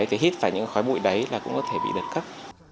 thì hít phải những khói bụi đấy là cũng có thể bị đợt cấp